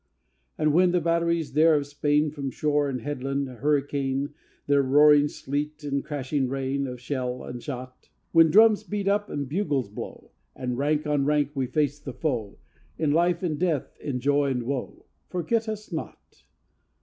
III And when the batteries there of Spain, From shore and headland, hurricane Their roaring sleet and crashing rain Of shell and shot; When drums beat up and bugles blow, And rank on rank we face the foe, In life and death, in joy and woe, Forget us not.